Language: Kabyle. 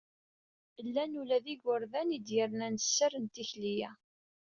Llan ula d igerdan, i d-yernan sser n tikli-a.